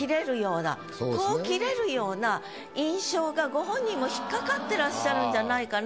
こう切れるような印象がご本人も引っかかってらっしゃるんじゃないかなと。